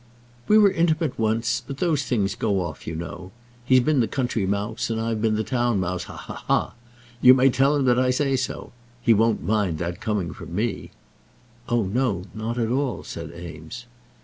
"We were intimate once, but those things go off, you know. He's been the country mouse and I've been the town mouse. Ha, ha, ha! You may tell him that I say so. He won't mind that coming from me." "Oh, no; not at all," said Eames.